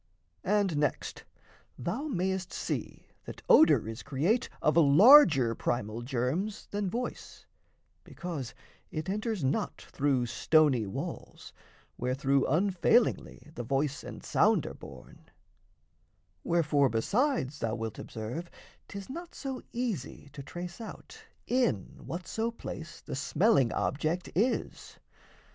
And next, Thou mayest see that odour is create Of larger primal germs than voice, because It enters not through stony walls, wherethrough Unfailingly the voice and sound are borne; Wherefore, besides, thou wilt observe 'tis not So easy to trace out in whatso place The smelling object is.